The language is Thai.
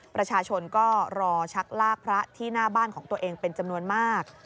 ประชาชนก็รอชักลากพระที่หน้าบ้านของตัวเองเป็นจำนวนมาก